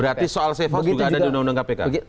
berarti soal safe house juga ada di undang undang kpk